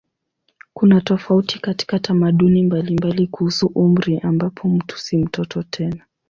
Kuna tofauti katika tamaduni mbalimbali kuhusu umri ambapo mtu si mtoto tena.